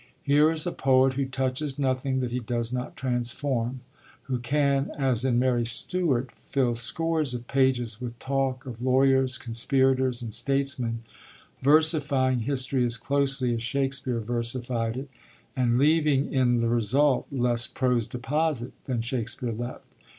Here is a poet who touches nothing that he does not transform, who can, as in Mary Stuart, fill scores of pages with talk of lawyers, conspirators, and statesmen, versifying history as closely as Shakespeare versified it, and leaving in the result less prose deposit than Shakespeare left.